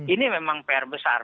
ini memang pr besar